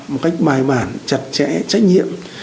một cách bài bản chặt chẽ trách nhiệm